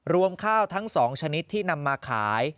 รวมข้าวทั้ง๒ชนิดที่นำมาขาย